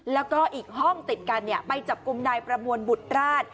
แล้วก็อีกห้องติดกันไปจับกลุ่มนายประมวลบุตรราช